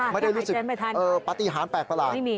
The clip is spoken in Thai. ไม่ได้รู้สึกปฏิหารแปลกประหลาด